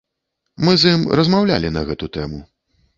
Мы з ім размаўлялі на гэту тэму.